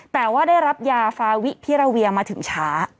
แต่ว่าได้รับยาฟาวิพิราเวียมาถึงช้า